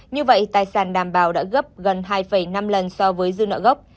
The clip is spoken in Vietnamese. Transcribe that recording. như vậy tài sản đảm bảo đã gấp gần hai năm lần so với dư nợ gốc